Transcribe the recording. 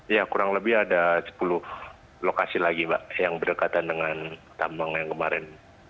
ya kurang lebih ada sepuluh lokasi lagi pak yang berdekatan dengan tambang yang kemarin